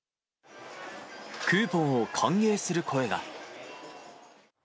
クーポンを歓迎する声が。